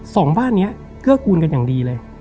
สองบ้านนี้เกื้อกูลกันอย่างดีเลย